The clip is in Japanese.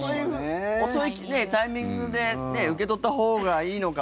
遅いタイミングで受け取ったほうがいいのか。